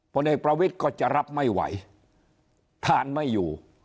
ผลเอกประวิทย์ก็จะรับไม่ไหวทานไม่อยู่